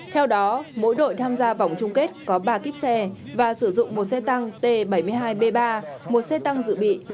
theo đó mỗi đội tham gia vòng chung kết có ba kíp xe và sử dụng một xe tăng t bảy mươi hai b ba một xe tăng dự bị